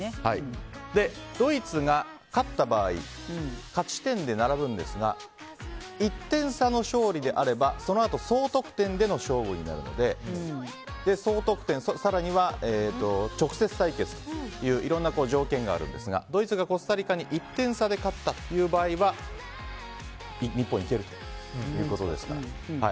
ドイツが勝った場合勝ち点で並ぶんですが１点差の勝利であれば、そのあと総得点での勝利になるので総得点、更には直接対決といういろんな条件があるんですがドイツがコスタリカに１点差で勝ったという場合は日本、いけるということですから。